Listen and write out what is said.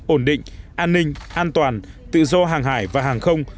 ổn định an ninh an toàn tự do hàng hải và hàng không